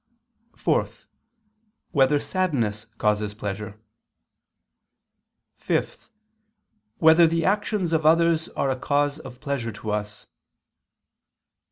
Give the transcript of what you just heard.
(4) Whether sadness causes pleasure? (5) Whether the actions of others are a cause of pleasure to us?